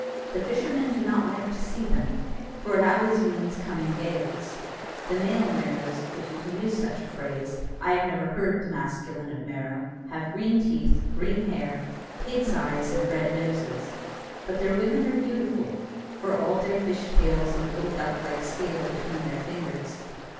The fishermen do not like to see them, for it always means coming gales. The male Merrows (if you can use such a phrase I have never heard the masculine of Merrow) have green teeth, green hair, pig's eyes, and red noses; but their women are beautiful, for all their fish tails and the little duck like scale between their fingers.